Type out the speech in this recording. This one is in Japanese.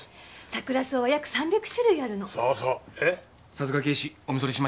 さすが警視御見それしました。